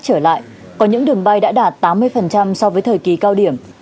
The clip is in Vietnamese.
trở lại có những đường bay đã đạt tám mươi so với thời kỳ cao điểm